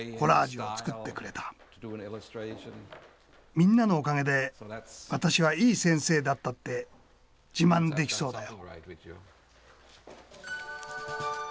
みんなのおかげで私はいい先生だったって自慢できそうだよ。